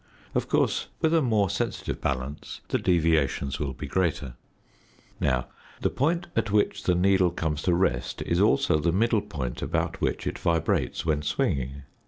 Of course, with a more sensitive balance the deviations will be greater. Now the point at which the needle comes to rest is also the middle point about which it vibrates when swinging.